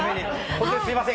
本当にすみません。